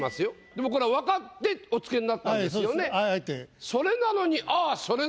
でもこれは分かってお付けになったんですよね？